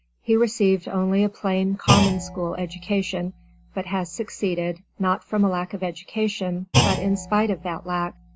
He received only a plain common school education, but has succeeded, not from a lack of education but in spite of that lack.